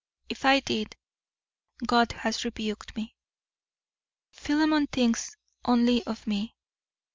If I did, God has rebuked me. Philemon thinks only of me.